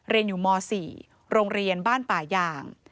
เรียนอยู่ม๔โรงเรียนบ้านป่ายาง